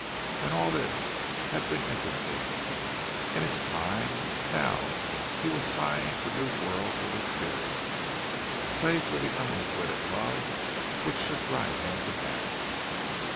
And all this had been interesting—in its time; now he was sighing for new worlds of experience—say for unrequited love, which should drive him to madness.